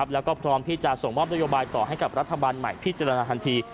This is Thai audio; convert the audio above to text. แล้วก็พร้อมที่จะส่งมอบนโยบายต่อให้กับรัฐบาลใหม่พิจารณาทันที